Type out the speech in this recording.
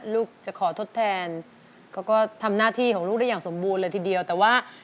ลูกทำหน้าที่อย่างสมบูรณ์เลยทีเดียว